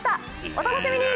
お楽しみに！